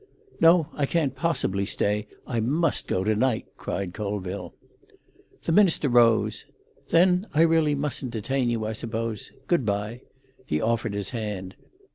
"No, I can't possibly stay; I must go to night," cried Colville. The minister rose. "Then I really mustn't detain you, I suppose. Good bye." He offered his hand.